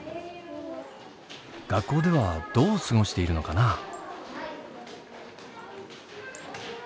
学校ではどう過ごしているのかな？